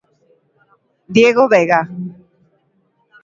Diego Vega.